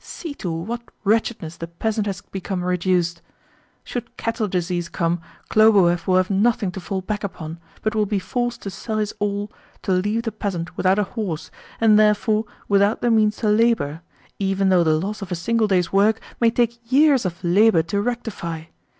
"See to what wretchedness the peasant has become reduced! Should cattle disease come, Khlobuev will have nothing to fall back upon, but will be forced to sell his all to leave the peasant without a horse, and therefore without the means to labour, even though the loss of a single day's work may take years of labour to rectify.